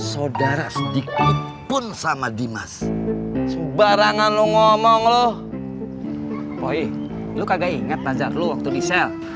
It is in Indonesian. saudara sedikit pun sama dimas barangan ngomong loh koi lu kagak inget pazar lu waktu di sel